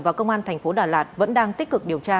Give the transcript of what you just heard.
và công an thành phố đà lạt vẫn đang tích cực điều tra